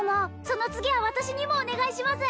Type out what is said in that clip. その次は私にもお願いします